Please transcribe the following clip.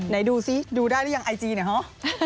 ไหนดูซิดูได้หรือยังไอจีเนี่ยฮะ